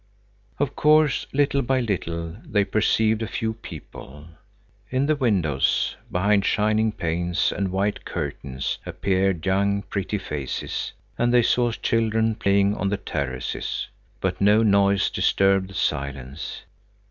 Of course, little by little, they perceived a few people. In the windows, behind shining panes and white curtains, appeared young, pretty faces, and they saw children playing on the terraces. But no noise disturbed the silence.